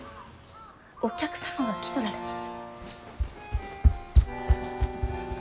お客様が来とられます。